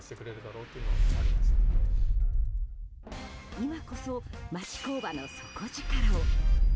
今こそ町工場の底力を！